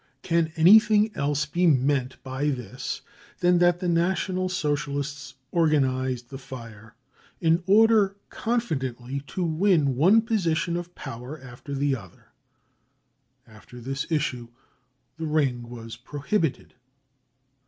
Gan anything else be meant by this than that the National f 124 brown book of the hitler terror Socialists organised the fire, in order*confidently to win one position of power after the other ?* After this issue, the Ring was prohibited.